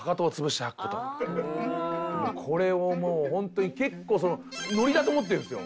これをもうホントに結構ノリだと思ってるんですよ。